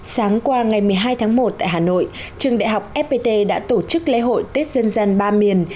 sáng qua ngày một mươi hai tháng một tại hà nội trường đại học fpt đã tổ chức lễ hội tết dân gian ba miền